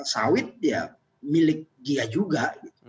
sawit ya milik dia juga